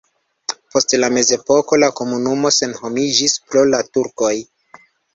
Post la mezepoko la komunumo senhomiĝis pro la turkoj.